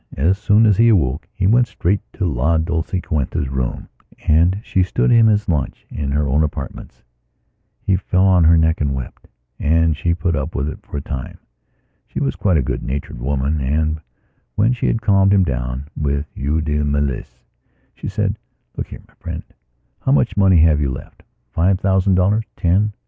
As soon as he awoke he went straight to La Dolciquita's room and she stood him his lunch in her own apartments. He fell on her neck and wept, and she put up with it for a time. She was quite a good natured woman. And, when she had calmed him down with Eau de Mélisse, she said: "Look here, my friend, how much money have you left? Five thousand dollars? Ten?"